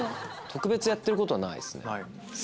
特別やってることはないですね。